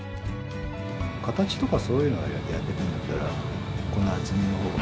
形とかそういうのをやってくんだったらこの厚みの方が。